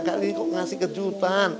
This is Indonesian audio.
kali ini kok ngasih kejutan